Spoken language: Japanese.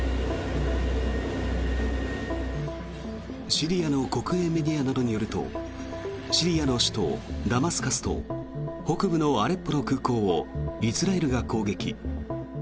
シリアの国営メディアなどによるとシリアの首都ダマスカスと北部のアレッポの空港をイスラエルが攻撃。